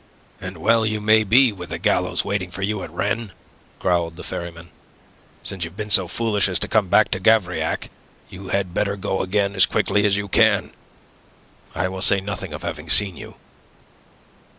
"And well you may be with the gallows waiting for you at Rennes," growled the ferryman. "Since you've been so foolish as to come back to Gavrillac, you had better go again as quickly as you can. I will say nothing of having seen you."